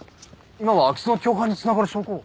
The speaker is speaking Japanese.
今は空き巣の共犯に繋がる証拠を。